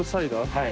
はい。